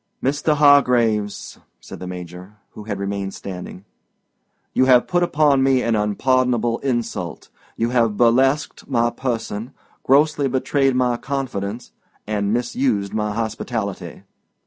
"Mr. Hargraves," said the Major, who had remained standing, "you have put upon me an unpardonable insult. You have burlesqued my person, grossly betrayed my confidence, and misused my hospitality.